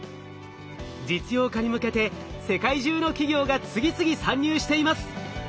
実用化に向けて世界中の企業が次々参入しています。